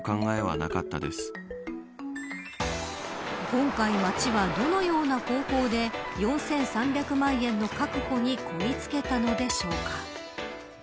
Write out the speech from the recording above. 今回、町はどのような方法で４３００万円の確保にこぎつけたのでしょうか。